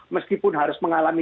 meskipun harus mengalami